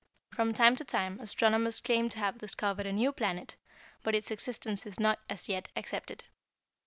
From time to time, astronomers claim to have discovered a new planet, but its existence is not as yet accepted.